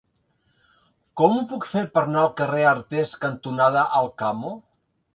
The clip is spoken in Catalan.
Com ho puc fer per anar al carrer Artés cantonada Alcamo?